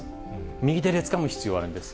右手でつかむ必要があるんです。